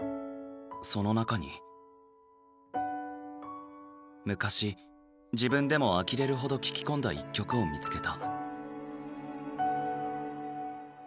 その中に昔自分でもあきれるほど聴き込んだ一曲を見つけた。